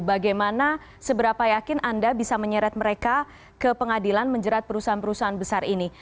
karena seberapa yakin anda bisa menyeret mereka ke pengadilan menjerat perusahaan perusahaan besar ini